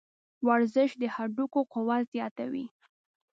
ورزش د هډوکو قوت زیاتوي.